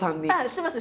してます。